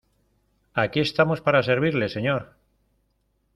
aquí estamos para servirle, señor.